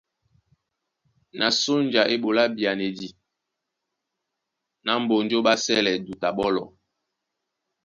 Na sónja é ɓolá byanédí ná Mbonjó ɓá sɛ́lɛ duta ɓɔ́lɔ.